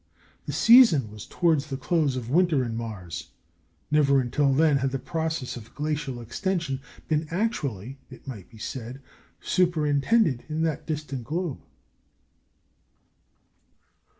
The season was towards the close of winter in Mars. Never until then had the process of glacial extension been actually (it might be said) superintended in that distant globe.